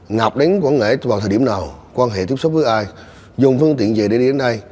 ngọc đến quan hệ vào thời điểm nào quan hệ tiếp xúc với ai dùng phương tiện gì để đi đến đây